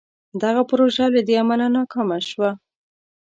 دغه پروژه له دې امله ناکامه شوه.